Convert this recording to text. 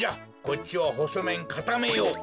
こっちはほそめんかためよう。